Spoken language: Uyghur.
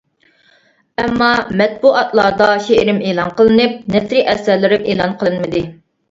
ئەمما مەتبۇئاتلاردا شېئىرىم ئېلان قىلىنىپ، نەسرى ئەسەرلىرىم ئېلان قىلىنمىدى.